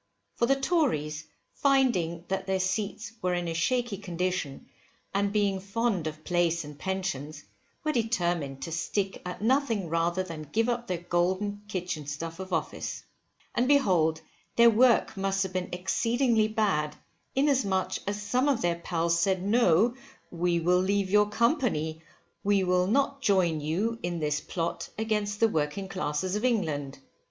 For the Tories, finding that their seats were in a shaky condition, and being fond of place and pensions, were determined to stick at nothing rather than give up their golden kitchen stuff of office. And behold their work must have been exceedingly bad, inasmuch as some of their pals said no: we will leave your company, for we will not join with you in this plot against the working classes of England.